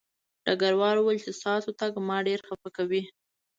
ډګروال وویل چې ستاسو تګ ما ډېر خپه کوي